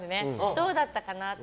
どうだったかな？って。